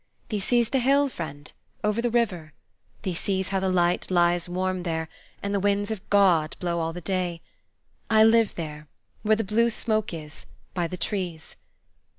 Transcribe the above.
"Thee sees the hills, friend, over the river? Thee sees how the light lies warm there, and the winds of God blow all the day? I live there, where the blue smoke is, by the trees.